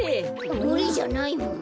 むりじゃないもん。